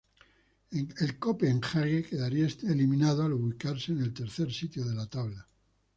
El Copenhague quedaría eliminado al ubicarse en el tercer sitio de la tabla.